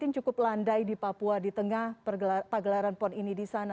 cukup landai di papua di tengah pagelaran pon ini di sana